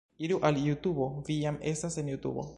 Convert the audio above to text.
Iru al Jutubo... vi jam estas en Jutubo